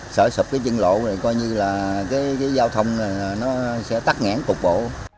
sợ sụp cái chân lộ coi như là cái giao thông nó sẽ tắt ngãn cục bộ